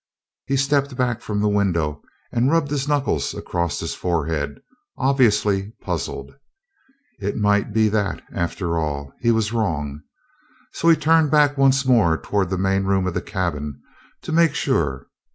He stepped back from the window and rubbed his knuckles across his forehead, obviously puzzled. It might be that, after all, he was wrong. So he turned back once more toward the main room of the cabin to make sure.